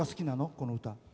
この歌。